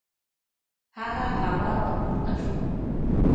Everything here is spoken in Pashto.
هغه هوا ته پورته شو.